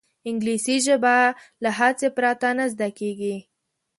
انګلیسي ژبه له هڅې پرته نه زده کېږي